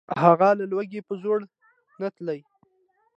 هغه له لوږي په زړو نتلي